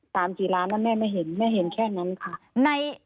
กี่ล้านแล้วแม่ไม่เห็นแม่เห็นแค่นั้นค่ะ